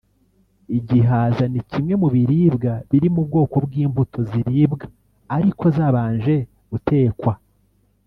Igihaza ni kimwe mu biribwa biri mu bwoko bw’imbuto ziribwa ariko zabanje gutekwa